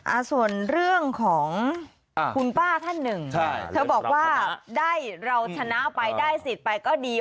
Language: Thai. อ่าส่วนเรื่องของอ่าคุณป้าท่านหนึ่งใช่เธอบอกว่าได้เราชนะไปได้สิทธิ์ไปก็ดี